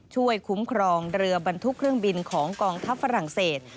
ช่วยคุ้มครองเรือบรรทุกเครื่องบินของกองทัพฝรั่งเศส